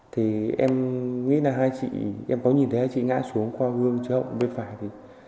thì em nghĩ là hai chị em có nhìn thấy hai chị ngã xuống qua gương chế hậu bên phải thì